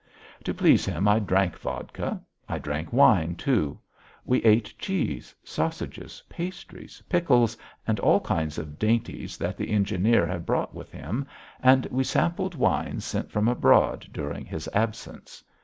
To please him I drank vodka. I drank wine, too. We ate cheese, sausages, pastries, pickles, and all kinds of dainties that the engineer had brought with him, and we sampled wines sent from abroad during his absence.